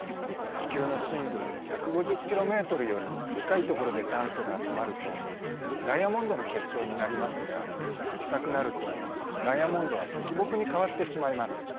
地球の深部１５０ｋｍより深いところで炭素が集まるとダイヤモンドの結晶になりますが浅くなるとダイヤモンドは石墨に変わってしまいます。